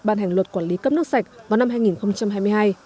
ban hành luật quản lý cấp nước sạch vào năm hai nghìn hai mươi hai